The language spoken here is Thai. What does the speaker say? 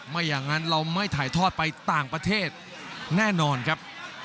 ไม่อย่างนั้นเราไม่ถ่ายทอดไปต่างประเทศแน่นอนครับ